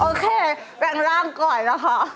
โอเคแปลงร่างก่อนนะคะ